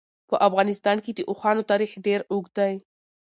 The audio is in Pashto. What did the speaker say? په افغانستان کې د اوښانو تاریخ ډېر اوږد دی.